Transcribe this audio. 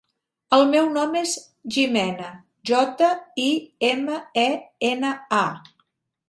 El meu nom és Jimena: jota, i, ema, e, ena, a.